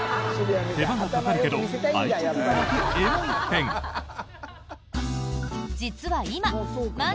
手間がかかるけど愛着が湧くエモいペン！